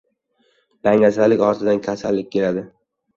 • Dangasalik ortidan kasallik keladi.